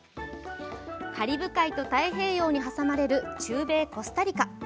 カリブ海と太平洋に挟まれる中米・コスタリカ。